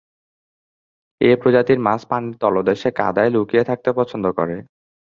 এই প্রজাতির মাছ পানির তলদেশে কাদায় লুকিয়ে থাকতে পছন্দ করে।